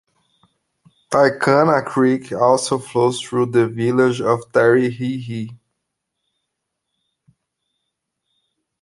Tycannah Creek also flows through the village of Terry Hie Hie.